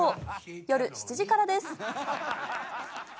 夜７時からです。